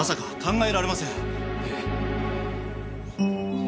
ええ。